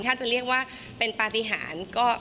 ถ้าจะเรียกว่าเป็นปฏิหารก็